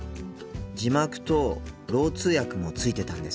字幕とろう通訳もついてたんですよ。